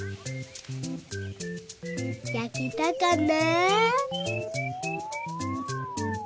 やけたかな？